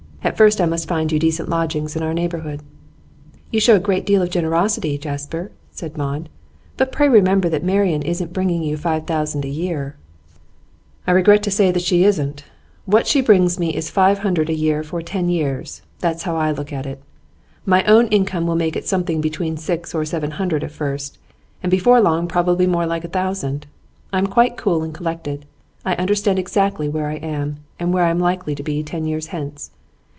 At first I must find you decent lodgings in our neighbourhood.' 'You show a good deal of generosity, Jasper,' said Maud, 'but pray remember that Marian isn't bringing you five thousand a year.' 'I regret to say that she isn't. What she brings me is five hundred a year for ten years that's how I look at it. My own income will make it something between six or seven hundred at first, and before long probably more like a thousand. I am quite cool and collected. I understand exactly where I am, and where I am likely to be ten years hence.